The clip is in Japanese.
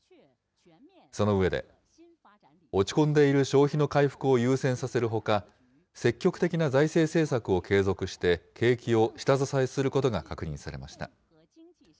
その上で、落ち込んでいる消費の回復を優先させるほか、積極的な財政政策を継続して、景気を下支えすることが確認されました。